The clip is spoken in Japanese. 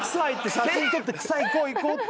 写真撮って「行こう行こう」って。